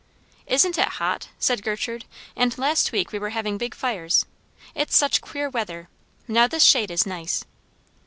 "Isn't it hot?" said Gertrude; "and last week we were having big fires. It's such queer weather. Now this shade is nice."